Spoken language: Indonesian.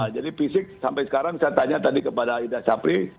jadi fisik sampai sekarang saya tanya tadi kepada ida sapri